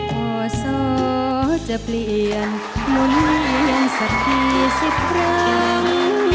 พ่อสอจะเปลี่ยนหมุนเยี่ยม๑๐ครั้ง